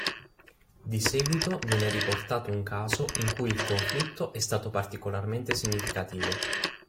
Di seguito viene riportato un caso in cui il conflitto è stato particolarmente significativo.